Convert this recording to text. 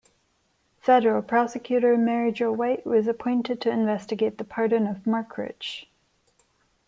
Federal prosecutor Mary Jo White was appointed to investigate the pardon of Marc Rich.